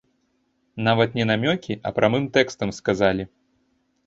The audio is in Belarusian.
Нават не намёкі, а прамым тэкстам сказалі.